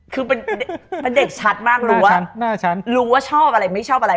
คือเป็นเด็กชัดมากรู้ว่ารู้ว่าชอบอะไรไม่ชอบอะไร